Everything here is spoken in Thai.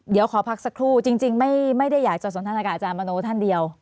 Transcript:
เดี๋ยวขอพักสักครู่จริงไม่ได้อยากจะสนทนากับอาจารย์มโนท่านเดียว